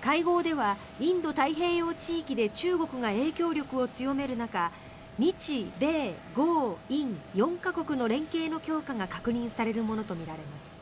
会合ではインド太平洋地域で中国が影響力を強める中日米豪印４か国の連携の強化が確認されるものとみられます。